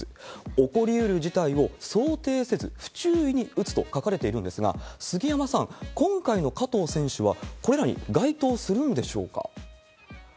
起こりうる事態を想定せず不注意に打つと書かれているんですが、杉山さん、今回の加藤選手は、これらに該当するんでしょうか？